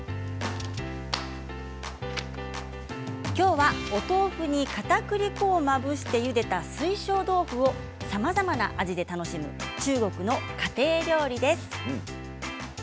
きょうはお豆腐にかたくり粉をまぶしてゆでた水晶豆腐、さまざまな味で楽しむ中国の家庭料理です。